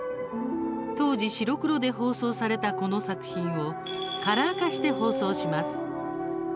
当時、白黒で放送されたこの作品をカラー化して放送します。